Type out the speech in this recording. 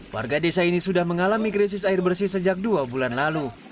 warga desa ini sudah mengalami krisis air bersih sejak dua bulan lalu